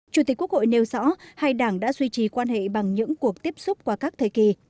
chủ tịch quốc hội nêu rõ hai đảng đã duy trì quan hệ bằng những cuộc tiếp xúc qua các thời kỳ